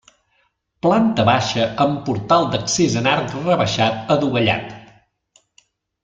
Planta baixa amb portal d'accés en arc rebaixat adovellat.